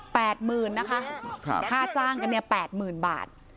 หมื่นนะคะครับค่าจ้างกันเนี่ยแปดหมื่นบาท